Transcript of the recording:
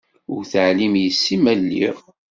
Ur teɛlim yess-i ma lliɣ.